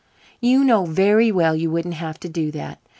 "You know very well you wouldn't have to do that.